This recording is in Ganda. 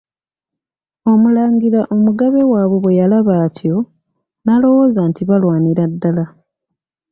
Omulangira omugabe waabwe bwe yalaba atyo, n'alowooza nti balwanira ddala.